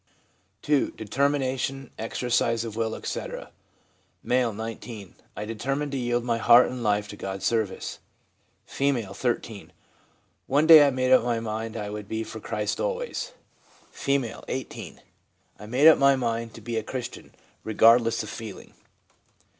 2. Determination, exercise of will, etc. — M., 19. ' I determined to yield my heart and life to God's service/ R, 13. 'One day I made up my mind I would be for Christ always/ R, 18. ' I made up my mind to be a Christian, regardless of feeling/ M.